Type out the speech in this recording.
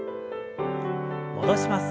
戻します。